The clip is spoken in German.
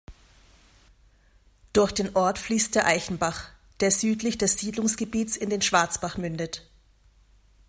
Durch den Ort fließt der Eichenbach, der südlich des Siedlungsgebiets in den Schwarzbach mündet.